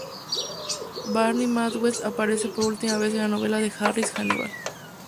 Barney Matthews aparece por última vez en la novela de Harris "Hannibal".